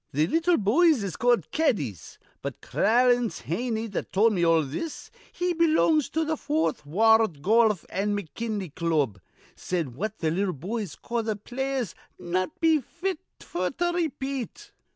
The little boys is called caddies; but Clarence Heaney that tol' me all this he belongs to th' Foorth Wa ard Goluf an' McKinley Club said what th' little boys calls th' players'd not be fit f'r to repeat.